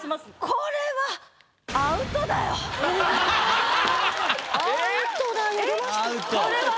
これはアウトです。